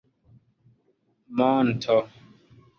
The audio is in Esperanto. monto